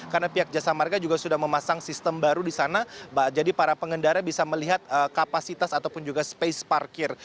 karena pihak jasa marga juga sudah memasang sistem baru di sana jadi para pengendara bisa melihat kapasitas ataupun juga space parkir